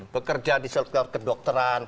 pekerja di sektor kedokteran